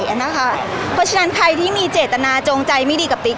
เพราะฉะนั้นใครที่มีเจตนาจงใจไม่ดีกับติ๊ก